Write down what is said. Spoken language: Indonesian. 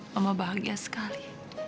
mama bahagia sekali